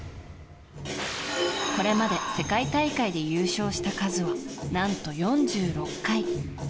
これまで世界大会で優勝した数は何と４６回。